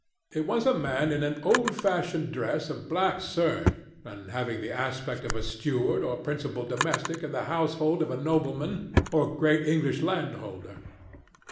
It was a man in an old fashioned dress of black serge and having the aspect of a steward or principal domestic in the household of a nobleman or great English landholder.